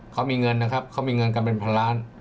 เขามีเงินนะครับเขามีเงินกันเป็นพันล้าน